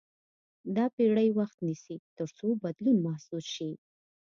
دا پېړۍ وخت نیسي تر څو بدلون محسوس شي.